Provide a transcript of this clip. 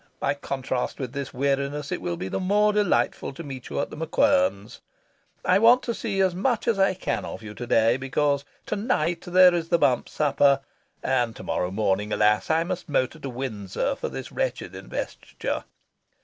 By contrast with this weariness, it will be the more delightful to meet you at The MacQuern's. I want to see as much as I can of you to day, because to night there is the Bump Supper, and to morrow morning, alas! I must motor to Windsor for this wretched Investiture.